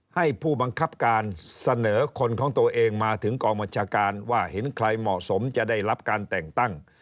ให้ผู้บังคับการเสนอคนของตัวเองมาถึงกองบัญชาการว่าเห็นใครเหมาะสมจะได้รับการแต่งตั้ง